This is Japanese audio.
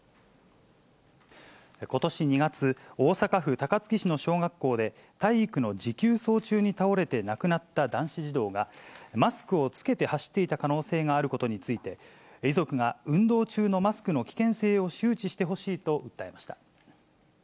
ことし２月、大阪府高槻市の小学校で、体育の持久走中に倒れて亡くなった男子児童が、マスクをつけて走っていた可能性があることについて、遺族が、運動中のマスクの危険性を周知してほしいと訴えました。